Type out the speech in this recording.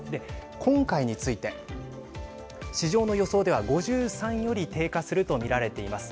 今回について市場の予想では５３より低下すると見られています。